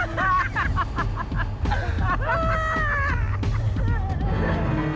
gue pun gunakanam pengembangan